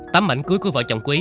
tấm ảnh cưới của vợ chồng quý